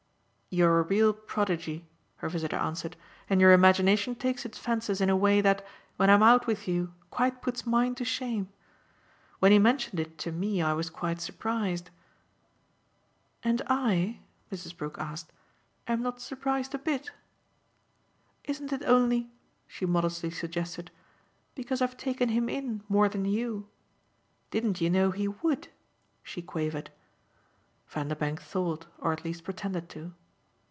"You're a real prodigy," her visitor answered, "and your imagination takes its fences in a way that, when I'm out with you, quite puts mine to shame. When he mentioned it to me I was quite surprised." "And I," Mrs. Brook asked, "am not surprised a bit? Isn't it only," she modestly suggested, "because I've taken him in more than you? Didn't you know he WOULD?" she quavered. Vanderbank thought or at least pretended to.